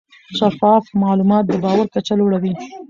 شفاف معلومات د باور کچه لوړه وي.